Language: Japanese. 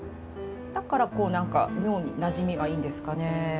だからなんか妙になじみがいいんですかね。